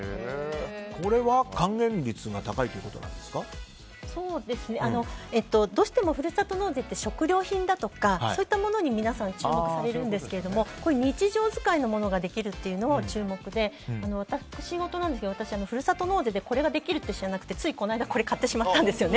これは還元率がどうしてもふるさと納税って食料品だとか、そういったものに皆さんは注目されるんですけど日常使いのものができるというのも注目で、私事なんですが私はふるさと納税でこれができるって知らなくてついこの間、これを買ってしまったんですよね。